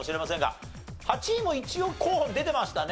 ８位も一応候補に出てましたね。